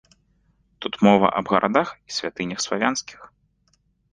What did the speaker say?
Тут мова аб гарадах і святынях славянскіх.